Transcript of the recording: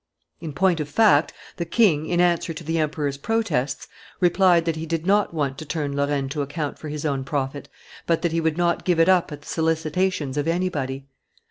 In point of fact, the king, in answer to the emperor's protests, replied that he did not want to turn Lorraine to account for his own profit, but that he would not give it up at the solicitations of anybody.